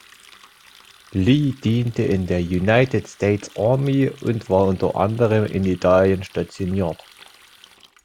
Lee diente in der United States Army und war unter anderem in Italien stationiert.